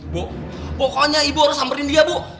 bu pokoknya ibu harus samperin dia bu